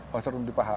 holster untuk paha